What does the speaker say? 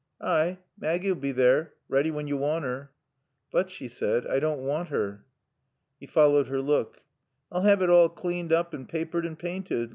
"Ay, Maaggie'll be there, ready when yo want her." "But," she said, "I don't want her." He followed her look. "I'll 'ave it all claned oop and paapered and paainted.